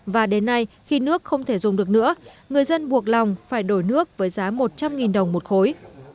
và đến nay khi nước không thể dùng được nữa người dân buộc lòng phải đổi nước với giá một trăm linh đồng một khối